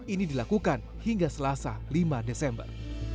ini dilakukan hingga selasa lima desember